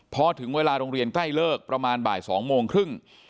พอถึงเวลาโรงเรียนใกล้เลิกประมาณบ่าย๒โมงครึ่ง